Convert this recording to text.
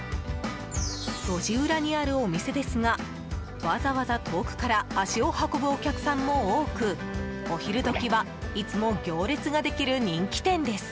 路地裏にあるお店ですがわざわざ遠くから足を運ぶお客さんも多くお昼時はいつも行列ができる人気店です。